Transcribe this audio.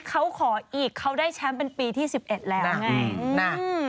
เขาขออีกเขาได้แชมป์เป็นปีที่๑๑แล้วไง